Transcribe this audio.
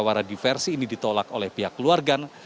suara diversi ini ditolak oleh pihak keluarga